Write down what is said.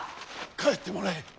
帰ってもらえ。